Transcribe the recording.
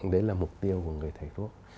đấy là mục tiêu của người thầy thuốc